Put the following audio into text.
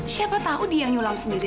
siapa tau dia yang nyulam sendiri